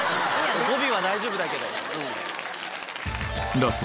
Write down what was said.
語尾は大丈夫だけど。